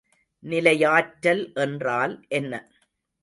நிலையாற்றல் என்றால் என்ன?